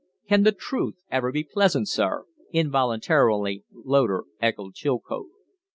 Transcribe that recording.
"Can the truth ever be pleasant, sir?" Involuntarily Loder echoed Chilcote.